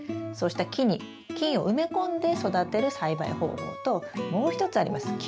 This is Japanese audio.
そうした木に菌を埋め込んで育てる栽培方法ともう一つあります。